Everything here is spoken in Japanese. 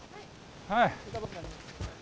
はい。